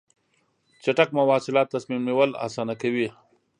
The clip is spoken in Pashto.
چټک مواصلات تصمیم نیول اسانه کوي.